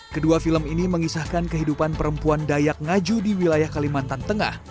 kedua film ini mengisahkan kehidupan perempuan dayak ngaju di wilayah kalimantan tengah